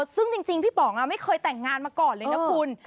ซึ่งจริงพี่ป๋องไม่เคยแต่งงานมาก่อนเลยนะคุณ